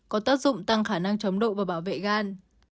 có tác dụng tăng khả năng chống độ và bảo vệ gan